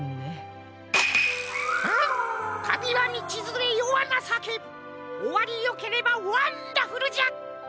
たびはみちづれよはなさけおわりよければワンダフルじゃ！